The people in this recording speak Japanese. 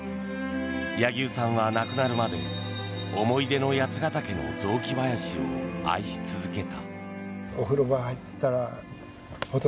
柳生さんは亡くなるまで思い出の八ケ岳の雑木林を愛し続けた。